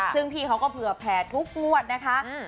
ซึ่งพี่เขาก็เผื่อแผ่ทุกงวดนะคะ